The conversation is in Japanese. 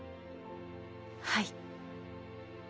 はい。